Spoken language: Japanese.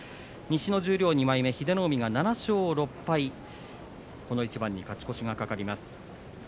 西の十両２枚目英乃海は７勝６敗、この一番に勝ち越しが懸かります。